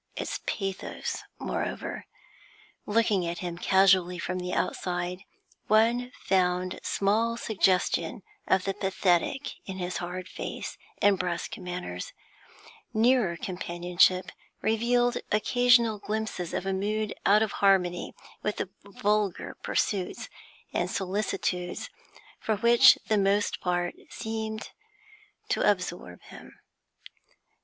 Its pathos, moreover. Looking at him casually from the outside, one found small suggestion of the pathetic in his hard face and brusque manners; nearer companionship revealed occasional glimpses of a mood out of harmony with the vulgar pursuits and solicitudes which for the most part seemed to absorb him.